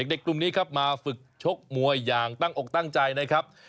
กลุ่มนี้ครับมาฝึกชกมวยอย่างตั้งอกตั้งใจนะครับ